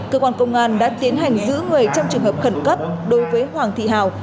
cơ quan công an đã tiến hành giữ người trong trường hợp khẩn cấp đối với hoàng thị hào